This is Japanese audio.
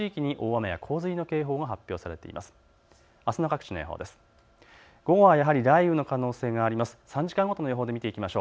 あすの各地の予報です。